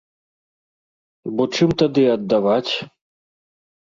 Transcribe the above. Бо чым тады аддаваць?